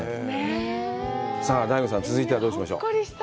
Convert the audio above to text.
さあ、ＤＡＩＧＯさん、続いてはどうしましょう？